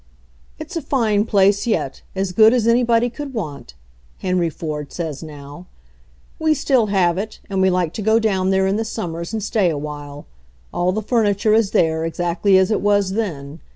"It's a fine place yet, as good as anybody could want," Henry Ford says now. "We still have it, and we like to go down there in the summers and stay awhile. All the furniture is there, ex actly as it was then.